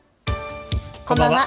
こんばんは。